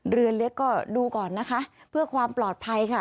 เรือเล็กก็ดูก่อนนะคะเพื่อความปลอดภัยค่ะ